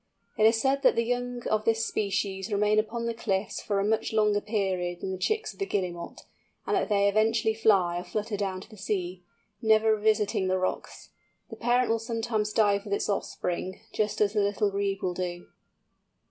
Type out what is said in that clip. It is said that the young of this species remain upon the cliffs for a much longer period than the chicks of the Guillemot, and that they eventually fly or flutter down to the sea, never revisiting the rocks. The parent will sometimes dive with its offspring, just as the Little Grebe will do.